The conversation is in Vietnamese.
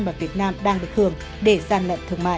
mà việt nam đang được hưởng để giàn lệnh thương mại